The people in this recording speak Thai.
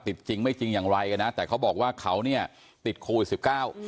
ติดจริงไม่จริงอย่างไรแต่เขาบอกว่าเขาเนี่ยติดโควิด๑๙